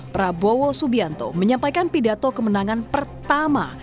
prabowo subianto menyampaikan pidato kemenangan pertama